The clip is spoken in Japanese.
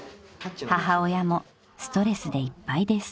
［母親もストレスでいっぱいです］